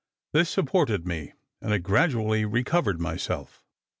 This supported me, and I gradually recovered myself.